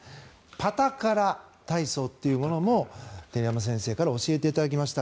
パタカラ体操というものも照山先生から教えてもらいました。